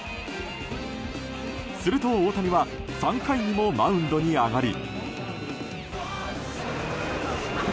すると、大谷は３回にもマウンドに上がり。